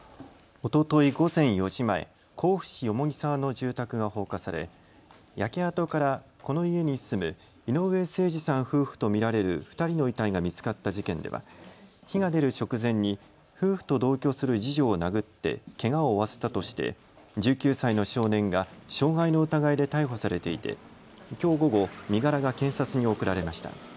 おととい午前４時前、甲府市蓬沢の住宅が放火され焼け跡から、この家に住む井上盛司さん夫婦と見られる２人の遺体が見つかった事件では火が出る直前に夫婦と同居する次女を殴ってけがを負わせたとして１９歳の少年が傷害の疑いで逮捕されていてきょう午後、身柄が検察に送られました。